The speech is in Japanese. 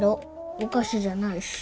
お菓子じゃないし。